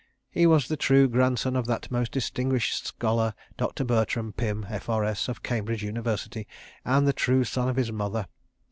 He was the true grandson of that most distinguished scholar, Dr. Bertram Pym, F.R.S., of Cambridge University, and the true son of his mother.